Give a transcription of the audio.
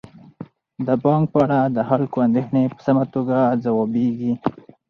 د بانک په اړه د خلکو اندیښنې په سمه توګه ځوابیږي.